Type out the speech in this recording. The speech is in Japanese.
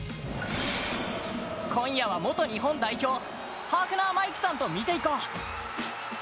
今夜は元日本代表ハーフナー・マイクさんと見ていこう。